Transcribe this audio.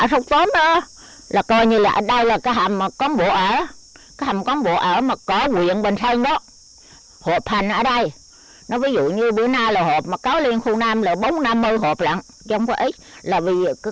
hãy đăng ký kênh để ủng hộ kênh của mình nhé